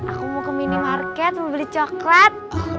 aku mau ke minimarket mau beli coklat